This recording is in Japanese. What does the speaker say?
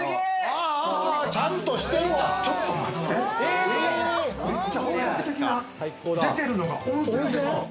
ちょっと待って、めっちゃ本格的な、出てるのが温泉？